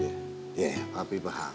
ya ya ya papi paham